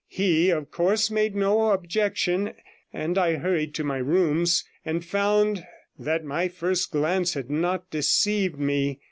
He, of course, made no objection, and I hurried to my rooms and found that my first glance had not deceived me.